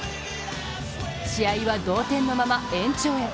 試合は同点のまま延長へ。